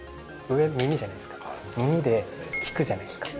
上、耳じゃないですか耳で「聞く」じゃないですか